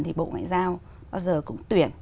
thì bộ ngoại giao bao giờ cũng tuyển